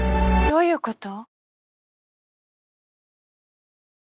どういうこと？